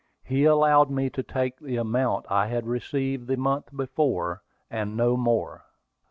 He allowed me to take the amount I had received the month before, and no more.